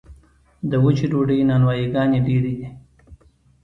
د وچې ډوډۍ نانوایي ګانې ډیرې دي